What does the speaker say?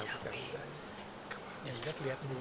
ya kita lihat bu